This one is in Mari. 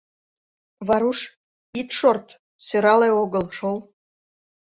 Варуш, ит шорт — сӧрале огыл шол...